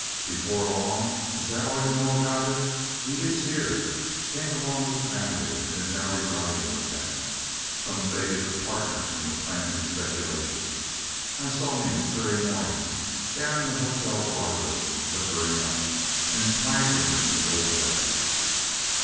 "Before long! Is that all you know about it? He is here; came along with the family, and is now residing with them. Some say he's a partner in the planting speculation. I saw him this very morning down in the hotel bar room `liquoring up,' and swaggering in his old way."